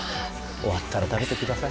終わったら食べてください。